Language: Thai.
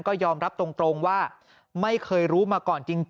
ก็ยอมรับตรงว่าไม่เคยรู้มาก่อนจริง